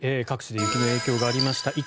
各地で雪の影響がありました。